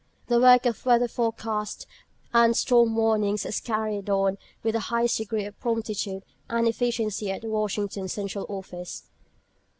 The work of weather forecasts and storm warnings is carried on with the highest degree of promptitude and efficiency at the Washington Central Office.